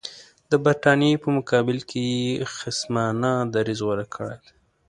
د برټانیې په مقابل کې یې خصمانه دریځ غوره کړی دی.